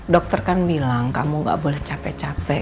dokter kan bilang kamu gak boleh capek capek